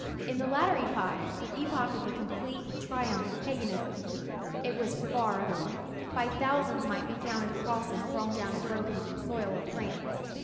In the latter epoch, epoch of the complete triumph of paganism, it was far otherwise. By thousands might be counted the crosses thrown down and broken on the soil of France.